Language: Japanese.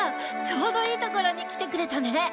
ちょうどいいところに来てくれたね。